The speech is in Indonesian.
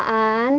aku mau ke ktm